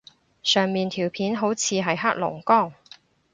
上面條片好似係黑龍江